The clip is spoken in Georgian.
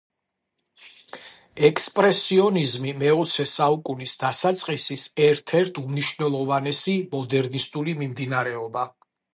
ექსპრესიონიზმი მეოცე საუკუნის დასაწყისის ერთ-ერთ უმნიშვნელოვანესი მოდერნისტული მიმდინარეობა